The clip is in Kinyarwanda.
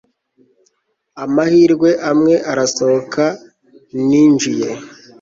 amahirwe amwe! arasohoka ninjiye